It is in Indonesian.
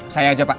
saya ajak pak